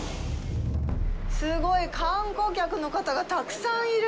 すごい観光客の方がたくさんいる。